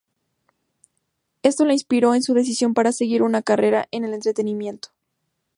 Esto la inspiró en su decisión para seguir una carrera en el entretenimiento.